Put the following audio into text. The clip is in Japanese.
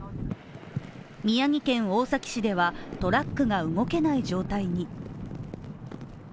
宮城県大崎市ではトラックが動けない状態に。